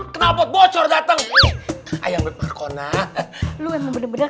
kenapa bocor dateng